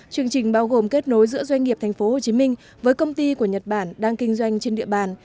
chương trình bao gồm kết nối giữa doanh nghiệp tp hcm với công ty của nhật bản đang kinh doanh trên địa bàn